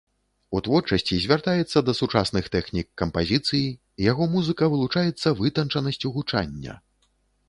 У творчасці звяртаецца да сучасных тэхнік кампазіцыі, яго музыка вылучаецца вытанчанасцю гучання.